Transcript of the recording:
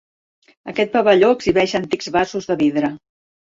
Aquest pavelló exhibeix antics vasos de vidre.